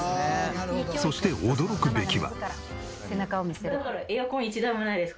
そして驚くべきは。